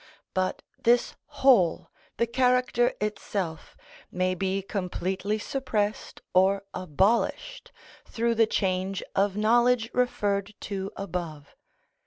But this whole, the character itself, may be completely suppressed or abolished through the change of knowledge referred to above.